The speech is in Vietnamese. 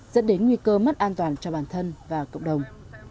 dẫn đến nguy cơ mất an toàn cho bản thân và cộng đồng